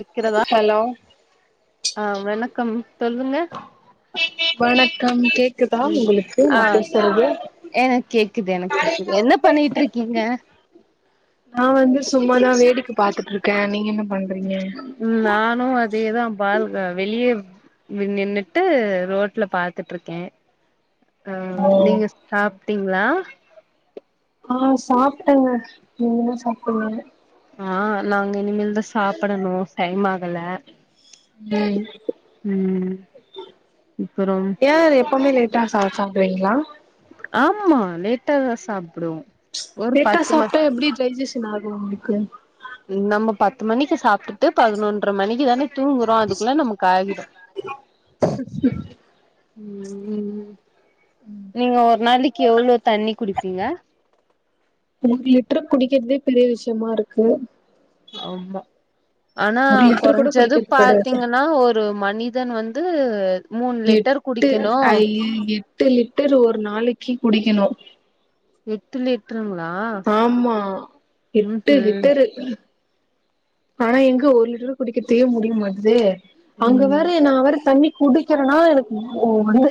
இருக்கிறதா ஹலோ ஆ வணக்கம் சொல்லுங்க வணக்கம் கேக்குதா உங்களுக்கு நா பேசுரது எனக் கேக்குது எனக் கேக்குது என்ன பண்ணிட்டுருக்கீங்க நா வந்து சும்மாதா வேடிக் பாத்துட்டுருக்கே நீங்க என்ன பண்றீங்கே ம் நானூ அதேதா பால் கா வெளியே [unintelligible] நின்னுட்டு ரோட்ல பாத்துட்டுருக்கே ஆ ஓ நீங்க சாப்ட்டீங்ளா ஆ சாப்ட்டேங்க நீங்கெனா சாப்ட்டிங்க ஆ நாங்க இனிமேல் தா சாப்டணு டைம்மாகல ம் அப்புறம் யே எப்போமே லேட் ட்டா சா சாப்றீங்ளா ஆம்மா லேட்டாதா சாப்டுவோ ஒரு லேட்டா பத்து ம சாப்ட்டா எப்டி டைஜிசன் ஆகு உங்களுக்கு நம்ப பத்து மணிக்கி சாப்ட்டுட் ட்டு பதினொன்ற மணிக்கி தானே தூங்குறோ அதுக்குல்ல நமக்காகிடு ம் நீங்க ஒரு நாளிக்கி எவ்ளோ தண்ணி குடிப்பீங்க மூண் லிட்ரு குடிக்கிறதே பெரிய விஷயமாருக்கு ஆமா அனா ஒரு லிட்டர் கூட குறஞ்சது குடிக்கிறது கெடையாது பாத்தீங்கனா ஒர் ரு மனிதன் வந்து.. மூணு லிட்டர் எட்டு குடிக்கணு இல்ல, எட்டு லிட்டர் ஒரு நாளைக்கு குடிக்கணும். எட்டு லிட்ருங்ளா? ஆமா எட்டு லிட்டெரு. ஆனா எங்க ஒரு லிட்ரு குடிகரதே முடிய மாட்டுதே அங்க வே ம் ற நா அவ்ளோ தண்ணி குடிக்கிறனா எனக்கு [unintelligible] வந்து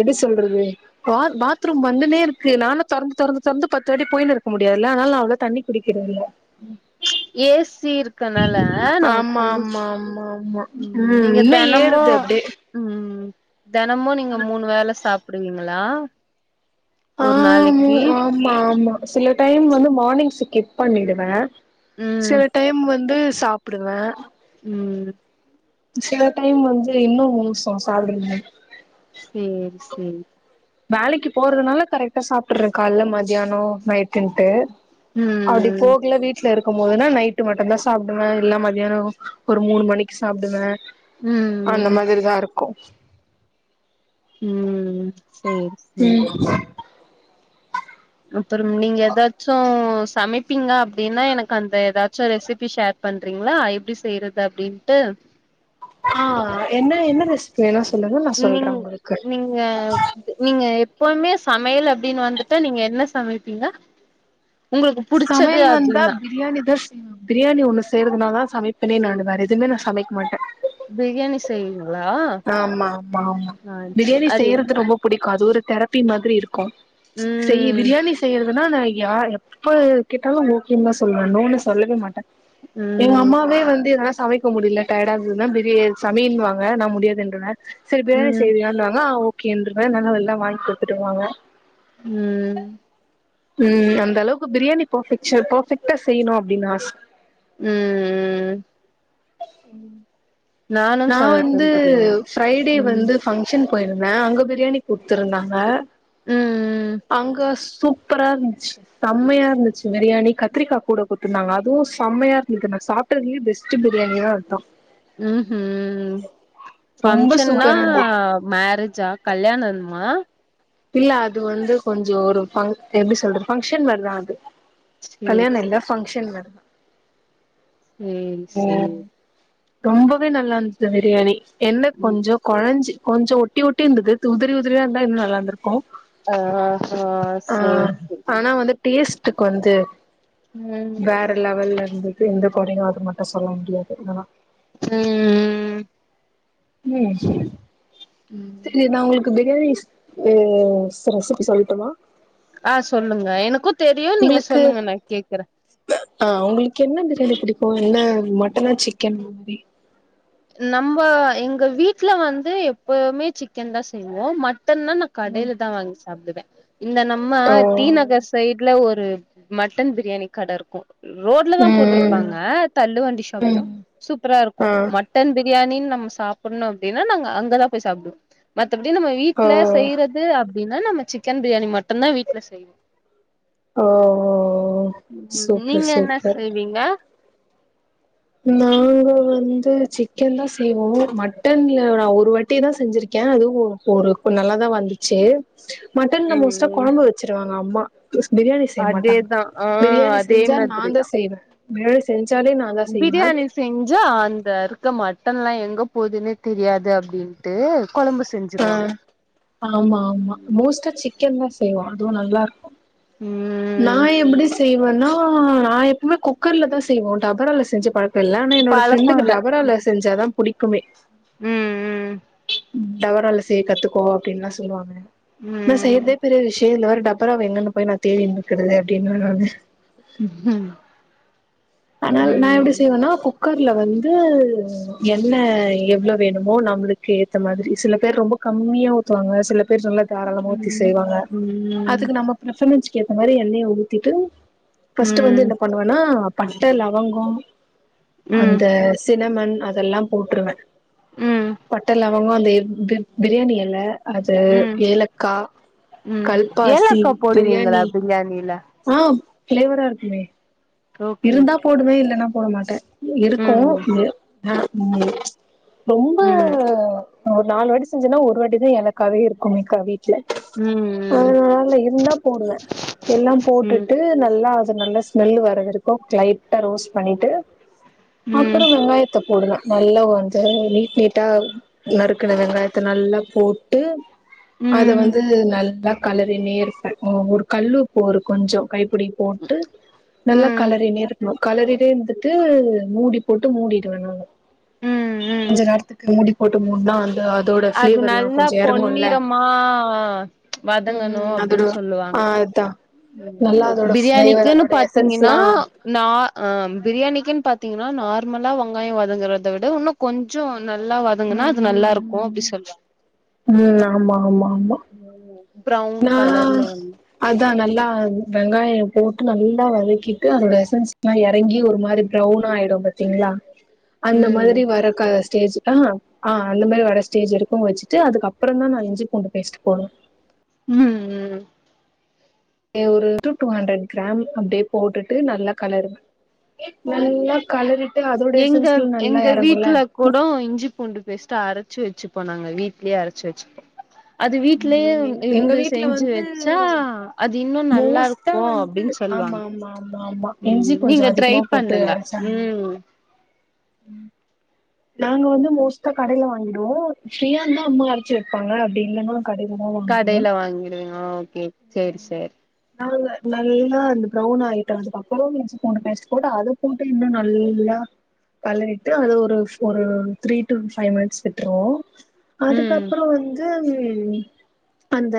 எப்டி சொல்றது வா பாத்ரூம் வந்துன்னே இருக்கு நானு தொரந்து தொரந்து தொரந்து பத்துவாட்டி போய்னு இருக்க முடியாதில்ல அதனால நா அவ்ளா தண்ணி குடிக்கறதில்ல. ம் ஏ சி இருக் கனால நமக்கு ஆமா குளிர்ச் ஆமா ஆமா ஆமா ம் நீங்க இன்னு தெனமு ஏறுது அப்டியே ம் தெனமு நீங்க மூணு வேள சாப் பிடுவீங்ளா ஒரு ஆமு நாளைக்கி ஆமா ஆமா சில டைம் வந்து மார்னிங்ஸ்ச ஸ்கிப் பண்ணிடுவே ம் சில டைம் வந்து சாப்டுவே ம் சில டைம் வந்து இன்னு மோசோ [unintelligible] சேரி சேரி வேலைக்கி போறதுனால கரெட்டா சாப்பிட்ற கால்ல மத்தியானோ நைட்டுன்ட்டு அப்டி ம் போகல வீட்லருக் கும்போதுனா நைட்டு மட்டுந்தா சாப்டுவே இல்ல மத்தியானோ ஒரு மூண் மணிக் சாப்டுவே அந்த ம் ம் மாதிரிதாருக்கு ம் சேரி சேரி ம் அப்புறம் நீங்க எதாச்சு சமைப் பீங்க அப்டின்னா, எனக்கு அந்த எதாச்சு ரெசிபி ஷேர் பண்றீங்ளா? எப்டி செய்யறது அப்டின்ட்டு ஆ என்ன என்ன ரெசிபி வேணு சொல்லுங்க. நா சொல்ற உங்களுக்கு ங்க நீங்க எப்வுமே சமையல் அப்ட்டின்னு வந்துட்டா, நீங்க என்ன சமைப்பீங்க? உங்களுக்கு புடிச்சது சமையல் வந்தா அப்டின்னா பிரியாணி தா ஸ் பிரியாணி ஒண்ணு செய்யறதுனாலதா சமைப்பனே நானு வேற எதுவுமே சமைக்க மாட்டே பிரியாணி செய்வீங்ளா? ஆமா ஆமா ஆமா பிரியாணி அது செய்யறது ரொம்ப பிடிக்கு அது ஒரு தெரபி மாத்ரி இருக் கு செய் ம் பிரியாணி செய்ய றதுனா நா யா எப்ப கேட்டாலு ஓகேன் தா சொல்லுவே. நோனு சொல்லவே மாட்டே எங்க ம் அம்மாவே வந்து என்னால சமைக்க முடியல, டயடாகுதுனா பிரி சமைனுவாங்க நா முடியாத் துன்ருவே செரி பிரியாணி ம் செய்வியானுவாங்க ஆ ஓகேன்ருவே நல்லா எல்லா வாங்கிக் குடுத்துடுவாங்க. ம். ம் அந்த அளவுக்கு பிரியாணி பேபகஸ்சன் பெர்ஃபெக்டா செய்ணு அப்டின் ஆச ம். நானும் நா வந்து சமைப்பேன் பிரியாணி ஃப்ரை டே ம் வந்து. பங்ஷன் போயிருந்தே அங்க பிரியாணி குடுத்துருந்தாங்க ம் ம் அங்க சூப் ரா இருந்ச்சி செம்மையா இருந்துச்சு பிரியாணி கத்திரிக்கா கூட குடுத்துருந்தாங்க அதுவு செம்மையா இருந்துக்கு நா சாப் ட்டதிலயே பெஸ்ட் பிரியாணினா அத் தா ம் ஹும் ரொம்ப ஃபங்க்ஷன்னா சூப்பரா இருந்தது மேரேஜ்ஜா கல்யாணம்மா இல்ல அது வந்து கொஞ்சோ ஒரு ஃபங் எப்டி சொல்றது ஃபங்க்ஷன் மாரி தா அது சேரி கல்யாண இல்ல ஃபங்க்ஷன் மேடம் ம் சேர் ரொம்பவே நல்லார்ந்த்து பிரியாணி, என்ன ம் கொஞ்சோ கொழஞ்சி கொஞ்சோ ஒட்டி ஒட்டி இர்ந்துது து உதிரி உதிரியா இருந்தா இன்னு நல்லார்ந்திருக்கு ஆ ஆ சேர் சேர் நா வந்து டேஸ்ட்டுக் வந்து ம் வேற லெவல்ல இருந்துது எந்த கொறையு உங்கிட்ட சொல்ல முடியாது இவ்ளோ தா ம் ம் ம் இல்ல நா உங்களுக்கு பிரியாணி ம் சே ரெசிப்பி சொல்லட்டுமா ஆ சொல்லுங்க எனக்கு தெரியு நீங்க உங்களுக்கு சொல்லுங்க நா கேக்கறே ஆ உங்களுக்கு என்ன பிரியாணி புடிக்கு என்ன மட்டனா சிக்கன் அந் மாரி நம்ம எங்க வீட்ல வந்து எப்பவுமே சிக்கன் தா செய்வோ மட்டன்னா நா கடைல தா வாங்கி சாப்டுவே இந்த நம்ம ஓ டீ நகர் சைட்ல ஒரு மட்டன் பிரியாணி கட இருக்கு ரோட்ல தா ம் போட்ருப்பாங்க தள்ளு வண்டி ஷாப் தா ம் சூப்பரா இருக்கு ஆ மட் டன் பிரியாணின் நம்ம சாப்பட்ணு அப்டின்னா நாங்க அங்கதா போய் சாப்டுவோ மத்தபடி நம்ம வீட்ல ஓ செய்யறது அப்டின்னா நம்ம சிக்கன் பிரியாணி மட்டுந்தா வீட்ல செய்வோ ஓ ஓ ஓ ம் சூப்பர் என்ன சூப்பர் நீங்க நாங்க வந்து சிக்கன் தா செய்வோ, மட்டன்ல நா ஒரு வாட்டி தா செஞ்சிருக்கே அதுவு ஓரவ்க்கு நல்லாதா வந்துச்சி, மட்டன்ல மோஸ்ட்டா ம் கொழம்பு வெச்சிருவாங்க அம்மா பிளஸ் பிரியாணி செய்ய மாட்டாங்க அதேதா ஆ பிரியாணி அதே செஞ்சா நா மாதிரி தா செய்ணு பிரியாணி செஞ்சாலே நா தா செய்வே பிரியாணி செஞ்சா அந்த இருக்க மட்டன்லா எங்க போதுன்னே தெரியாது அப்டின்னு ஆ ஆமா ஆமா மோஸ்ட்டா சிக்கன் தா செய்வோ அதுவு நல்லாருக்கு நா ம் எப்படி செய்வேன்னா நா எப்புமே குக்கர்ல தா செய்வோ டபரால செஞ்சி பழக்கோ இல்ல ஆனா என்னோட பழக்கோ ஃப்ரெண்டுக்கு இல்ல டபரால செஞ்சாதா புடிக்குமே ம் ம் டவரால செய்ய கத்துக்கோ அப்டின்லா சொல்லுவாங்க நா ம் செய்யற்தே பெரிய விஷ்யோ இதுல வேற டபராவ எங்கனு போய் நா தேடின்னுக்கறது அப்டின்னுவே நானு ம் அத்னால் நா எப்டி செய்வன்னா குக் கர்ல வந்து எண்ண எவ்ள வேணுமோ நம்மளுக்கேத்த மாதிரி சில பேர் ரொம்ப கம்மியா ஊத்துவாங்க சில பேர் நல்லா தாராளமா ஊத்தி ம் செய்வாங்க ம் ம் அதுக்கு நம்ம மெசர்மென்ட்ஸ்க்கேத்த மாரி எண்ணய ஊத்திட்டு ஃபஸ்ட்டு வந்து ம் என்ன பண்ணுவன்னா பட்ட, லவங்கோ ம் அந்த சினமன் அதெல்லா போட்ருவே ம் பட்ட, லவங்கோ லே இது பிரியாணி எல அது ம் ஏலக்கா, கல்பாசி, பிரியாணி பிரியாணி எல ஆ ஃப்ளேவரா இருக்குமே ஓகே இருந்தா ஓகே போடுவே இல்லனா போட மாட்டே எப்டியு இருக்கு ம் அது ஆ ரொம்ப ம் ஒரு நாலு வாட்டி செஞ்சன்னா ஒரு வாட்டி தா ஏலக்காவே இருக்குமே க வீ ட்ல ம் அதல்லால்ல இருந்தா போடுவே எல்லா ம் ம் போட்டுட்டு நல்லா அது நல்ல ஸ்மெல்லு வர வரைக்கத லைட்டா ரோஸ்ட் பண்ணிட்டு அப்புறொ ம் வெங்காயத் த்த போடுவ நல்லா வந்து நீட் நீட்டா நறுக்குன வெங்காயத்த நல்லா போட்டு அத ம் வந்து நல்லா கலறினே இருப்பே ஒரு கல்லு உப்பு ஒரு கொஞ்சொ கைப்புடி போட்டு நல்லா ம் கலரினே இருக்ணு கலரினே இருந்துட்டு மூடி போட்டு மூடிடுவே நானு ம் ம் கொஞ்ச நேரத்துக்கு மூடி போட்டு மூட்னா அதோட அது ஃபிளேவர்ல்லா நல்லா கொஞ்சோ எறங்குல்ல பொன்னிறமா ம் ம் வதங்கணு ம் அதோட அப்டின்னு சொல்லுவாங்க ஆ அதா நல்லா அதோட ஃபிளேவர் பிரியாணிக்குன்னு அதோட பாத்தீங்கன்னா எசன்ஸ்லா நா அ பிரியாணிக்கின் பாத்தீங்கன்னா நார்மலா வெங்காயம் வதங்கறத விட உன்னு கொஞ்சொ நல்லா வதங்கனா ம் அது நல்லாருக்கூ ம் அப்டி ம் சொல்வாங்க ம் ஆமா ஆமா ஆமா [inaudible] நா அதா நல்லா வெங்காயம் போட் டு நல்லா வதக்கிட்டு அதோட எசன்ஸ்ல்லா எறங்கி ஒரு மாரி ப்ரவுனா ஆயிடும் பாத்தீங்ளா அந்த ம் மாரி வரக்க ஸ்டேஜ் ஆ ஆ அந்த மாரி வர ஸ்டேஜ் வரைக்கூ வச்சுட்டு அதுக்கப்பறந் தா நா இஞ்சிபூண்டு பேஸ்ட் போடுவே ம் ம் ஏ ஒரு டு டூ ஹண்ட்ரட் கிராம் அப்டியே போட்டுட்டு நல்லா கலருவ நல்லா கலரிட்டு அது எங்க எங்க வீட்ல கூடொ இஞ்சி பூண்டு பேஸ்ட் அரச்சு வச்சுபோனாங்க வீட்லயே அரச்சுவச்சுபோ அது வீட்லயே ம் எங் எங்க இருந்து வீட்ல செஞ்சு வந்து வச்சா அது இன்னு நல்லாருக் மோஸ்ட்டா ஆமா ஆமா ஆமா ஆமா ம் இஞ்சி கொஞ்சோ நீங்க ட்ரை அதிகமா போட்டு பண்ணுங்க அரச்சாங்க ம் நாங்க வந்து மோஸ்ட்டா கடையில வாங்கிடுவோ ஃபிரியா இருந்தா அம்மா அரச்சி வப்பாங்க அப்டி இல்லன்னா கடைல தா வாங் கடையில வாங்கிடுவிங்க ஓகே செரி செரி நாங்க நல்லா அந்த ப்ரௌன் ஆயிட்ட அதுக்கப்பறொ இஞ்சி பூண்டு பேஸ்ட் போட்டு அத போட்டு இன்னு நல்லா கலரிட்டு அது ஒரு ஒரு த்ரீ டு ஃபைவ் மினிட்ஸ் விட்டுருவோ ம் அதுக்கப்பறொ வந்து அந்த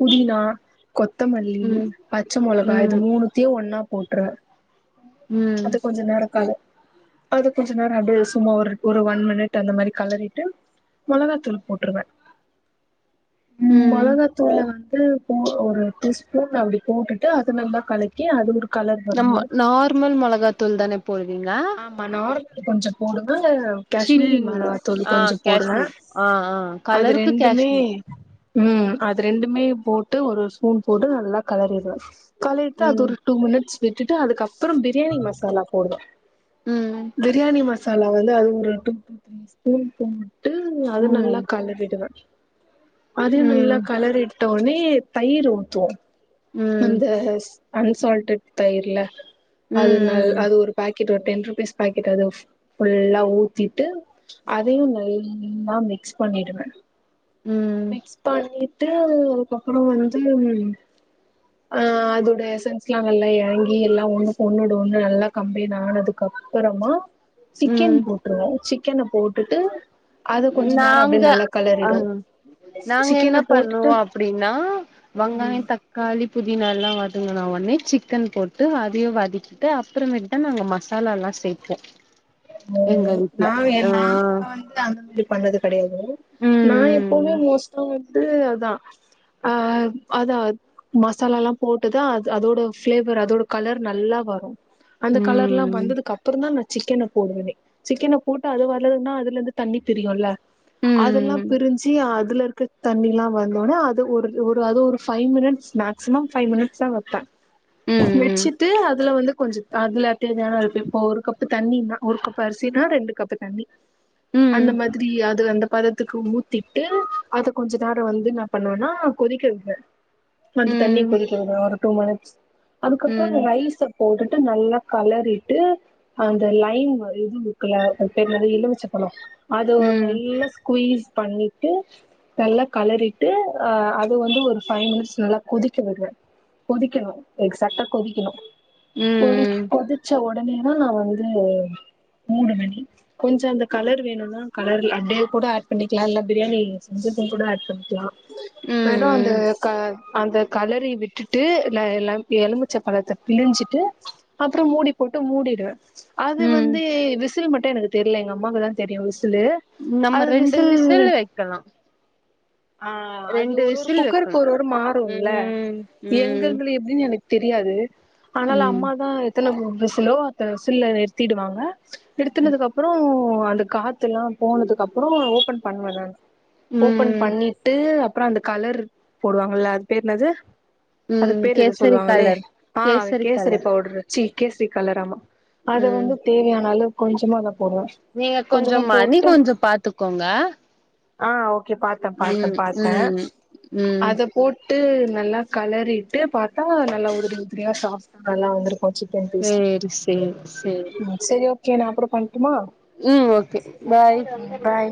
புதினா கொத்தமல்லி ம் பச்ச மொளகா இது ம் மூணுத்தையு ஒன்னா போட்ருவே ம் அது கொஞ்ச நேரொ கலரு அது கொஞ்ச நேரொ அப்டே சும்மா ஒரு ஒரு ஒன் மினிட் அந்த மாரி கலறிட்டு மொளகாத்தூள் போட்ருவே ம் மொளகாத்தூள வந்து போ ஒரு ஒரு ஸ்பூன் அப்டி போட்டுட்டு அத நல்லா கலக்கி அது ஒரு கலர் நம் வரும்ல நார்மல் மொளகாத்தூள் தானே போடுவீங்க ஆமா நார்ல கொஞ்சொ போடுவ சில் காஷ்மீரி மெளகளாதூள் ஆ கொஞ்சொ போடுவே காஷ்மீர் ஆ ஆ அது கலருக்கு ரெண்டுமே காஷ்மீர் ம் அது ரெண்டுமே போட்டு ஒரு ஸ்பூன் போட்டு நல்லா கலறிடுவே கலறிட்டு அது ம் ஒரு டூ மினிட்ஸ் விட்டுட்டு அதுக்கப்பறம் பிரியாணி மசாலா போடுவே ம் பிரியாணி மசாலா வந்து அது ஒரு டூ டூ த்ரீ ஸ்பூன் போட்ணு போட்டு அது ம் நல்லா கலரிடுவே அதையு நல்லா ம் கலரி ட்டோனே தயிர் ஊத்துவோ ம் அந்த அன்சால்டட் தயிர்ல அதுல ம் ம் அது ஒரு பாக்கெட் ஒரு டென் ருபீஸ் பாக்கெட் அது ஃபுல்லா ஊத்திட்டு அதையு நல்லா மிக்ஸ் பண்ணிடுவே ம் மிக்ஸ் பண்ணிட்டு அதுக்கப்றோ வந்து ஆ அதோட எசென்ஸ்லா நல்லா எறங்கி எல்லா ஒன்னுக்கு ஒன்னோட ஒன்னு நல்லா கம்பென் ஆனதுக்கப்பறமா சிக்கன் ம் போட்ருவோ சிக்கன போட்டுட்டு அது கொஞ்ச நேரோ நாங்க அப்டியே நல்லா ஆ கலறிடு நாங்க என்ன பண்ணுவோ அப்டின்னா ம் வங்காயோ தக் காளி புதினால்லா வதங்குன ஒன்னே சிக்கன் போட்டு அதயு வதக்கிட்டு அ ப்றமேட் தா நாங்க மசாலால்லா சேப்போ எங்க வீட்ல ஆ இல்ல அந்த மாரி பண்ணது கெடயாது நா எப்போமே ம் மோஸ்ட்டா வந்து அதா ஆ அதா மசாலால்லா போட்டுதா அது அதோட ஃபிளேவர் அதோட கலர் நல்லா வரு அந்த கலர்லா ம் வந்ததுக்கப்றோ தா நா சிக்கன போடுவேனே சிக்கன போட்டு அது வதங்குனா அதுலந்து தண்ணி பிரியுல அதல்லா ம் பிரிஞ்சி அதுலருக்க தண்ணிலா வந்தோனே அது ஒரு ஒரு அது ஒரு ஃபைவ் மினிட்ஸ் மேக்சிமம் ஃபைவ் மினிட்ஸ்தா வப்பே ம் ம் வெச்சுட்டு அதுல வந்து கொஞ்ச அதுல [unintelligible] இப்போ ஒரு கப்பு தண்ணினா ஒரு கப்பு அரிசினா ரெண்டு கப்பு தண்ணி ம் அந்த மாதிரி அது அந்த பத துக்கு ஊத்திட்டு அத கொஞ்ச நேரோ வந்து என்ன பண்ணுவேனா கொதிக்க வெப்பே அந்த தண்ணி ம் கொதிக்க விடுவே ஒரு டூ மினிட்ஸ் அதுக்கப்றோ நா ரைஸ போட்டுட்டு நல்லா கலறிட்டு அந்த லைம் இது ல அது பேர் என்னது எலுமிச்சபழோ அது ம் நல்லா ஸ்குய்ஸ் பண்ணிட்டு நல்லா கலறிட்டு ஆ அது வந்து ஒரு ஃபைவ் மினிட்ஸ் நல்லா கொதிக்க விடுவே கொதிக்கணு எக்சாக்டா கொதிக்கணு ம் கொதிச் கொதிச்ச ஒடனேனா வந்து மூன்று மணி கொஞ்சோ அந்த கலர் வேணுனா கலர் அப்டியே கூட ஆட் பண்ணிக்லா இல்ல பிரியாணி செஞ்சப்ப கூட ஆட் பண்ணி க்லா வெறு அந்த ம் க அந்த கலறி விட்டுட்டு லை லைம் எலுமிச்ச பழத்த பிழிஞ்சிட்டு அப்றோ மூடி போட்டு மூடிடுவே அது ம் வந்து விசில்லு மட்டு எனக்கு தெர்ல எங்கம்மாவுக்கு தா தெரியு விசில்லு நம்ம ரெண்டு விசில்லு வெக்கலா ஆ அது ஒரு ஒரு விசில் குக்கருக்கு வைக்கணு ஒரு ஒரு மாறுல ம் ம் எங்கங்குளி எதுன் எனக்கு தெரியாது ஆனால ம் அம்மா தா எத்தன விசிலோ அத்தன விசில்ல நிறுத்திடுவாங்க நிறுத்துனதுக்கப்பறோ அந்த காத்துலா போனதுக்கப்றோ ஓபன் பண்ணுவே நானு ஓபன் ம் பண்ணிட்டு அப்றோ அந்த கலர் போடுவாங்கல்ல அது பேர் என்னது ம் அதுக்கு பேர் எதோ கேசரி சொல்லுவாங்ளே கலர் ஆ அது கேசரி கலர் பவுட்ரு ச்சீ கேசரி கலரு ஆமா அத ம் வந்து தேவயான அளவு கொஞ்சமா தா போடுவே நீங்க கொஞ்சொ கொஞ்சமா மணி போட்டு கொஞ்சொ பாத்துக்கோங்க ஆ ஓகே பாத்தே பாத்தே ம் பாத்தே ம் ம் அத போ ட்டு நல்லா கலறிட்டு பாத்தா நல்லா உதிரி உதிரியா சாஃப்டா நல்லா வந்துரு க்கு சிக்கன் பீஸ்லா சேரி சேரி சேரி ம் செரி ஓகே நா அப்றோ பண்ட்டுமா ம் ஓகே பாய் ம் பாய்